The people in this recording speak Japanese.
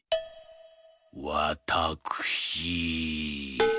わたくしー」。